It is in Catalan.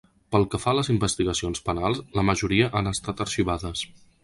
Pel que fa a les investigacions penals, la majoria han estat arxivades.